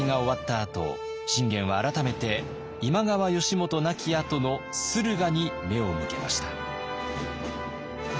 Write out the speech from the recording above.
あと信玄は改めて今川義元亡きあとの駿河に目を向けました。